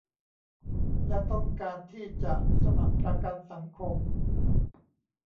และต้องการที่จะสมัครประกันสังคม